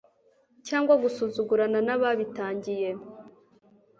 cyangwa gusuzugurana n'ababitangiye ..